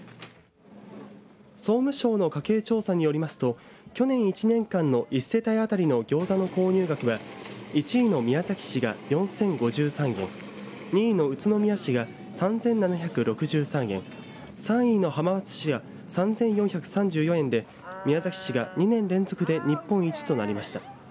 総務省の家計調査によりますと去年１年間の１世帯当たりのギョーザの購入額は１位の宮崎市が４０５３円２位の宇都宮市が３７６３円３位の浜松市が３４３４円で宮崎市が２年連続で日本一となりました。